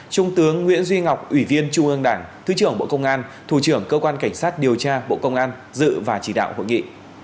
trung tướng nguyễn duy ngọc ủy viên trung ương đảng thứ trưởng bộ công an thủ trưởng cơ quan cảnh sát điều tra bộ công an dự và chỉ đạo hội nghị